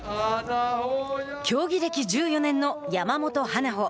競技歴１４年の山本華歩。